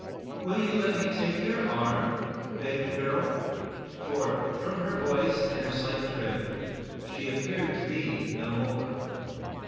"Will you let me take your arm?" begged the girl; for, from her voice and her slight, trim she appeared to be no more.